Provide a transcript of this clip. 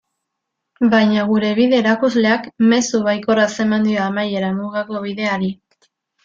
Baina gure bide-erakusleak mezu baikorraz eman dio amaiera Mugako Bideari.